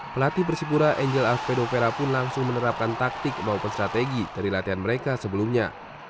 pelatih persipura angel alvedo vera pun langsung menerapkan taktik maupun strategi dari latihan mereka sebelumnya